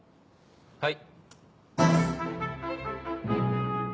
はい。